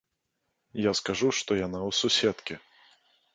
Я скажу, што яна ў суседкі.